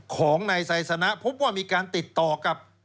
ของนายไซสนะพบว่ามีการติดต่อกับ